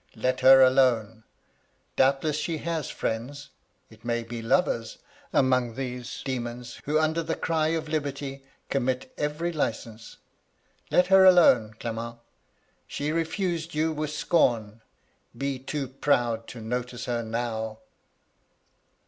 Let her alone I Doubtless she has friends — it may be lovers — among these demons, who, under the cry of liberty, commit every licence. Let her alone, Clement I She refused you with scorn : be too proud to notice her now.'